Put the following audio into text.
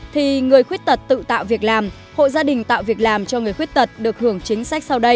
thì người khuyết tật tự tạo việc làm hộ gia đình tạo việc làm cho người khuyết tật được hưởng chính sách sau đây